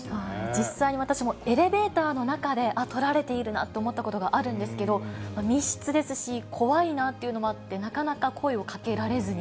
実際に私もエレベーターの中であっ、撮られているなと思ったことがあったんですけど、密室ですし、怖いなっていうのもあって、なかなか声をかけられずに。